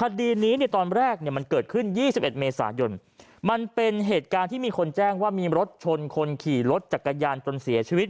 คดีนี้ในตอนแรกมันเกิดขึ้น๒๑เมษายนมันเป็นเหตุการณ์ที่มีคนแจ้งว่ามีรถชนคนขี่รถจักรยานจนเสียชีวิต